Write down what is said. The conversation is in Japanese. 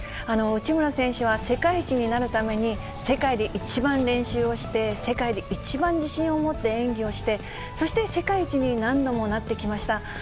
内村選手は世界一になるために、世界で一番練習をして、世界で一番自信をもって演技をして、そして世界一に何度もなってきました。